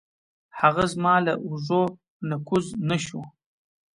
هغه زما له اوږو نه کوز نه شو.